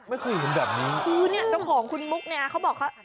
ไม่คือสำหรับนี้คือเนี่ยต้องหอมคุณมุกเนี่ยเขาบอกเขา